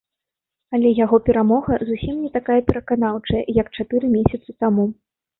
Але яго перамога зусім не такая пераканаўчая, як чатыры месяцы таму.